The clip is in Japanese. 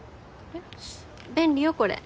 便利よこれ。